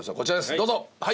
どうぞはい！